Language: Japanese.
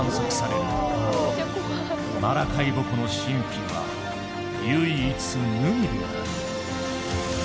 マラカイボ湖の神秘は唯一無二である。